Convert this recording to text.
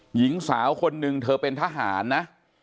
หญิงสาวคนนึงเธอเป็นทหารนะ